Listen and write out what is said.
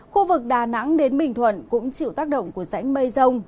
khu vực đà nẵng đến bình thuận cũng chịu tác động của rãnh mây rông